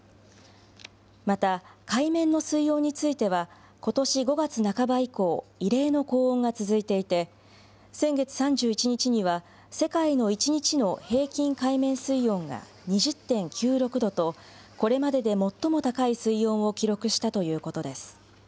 また、海面の水温については、ことし５月半ば以降、異例の高温が続いていて、先月３１日には、世界の１日の平均海面水温が２０．９６度と、これまでで最も高い水温を記録したということです。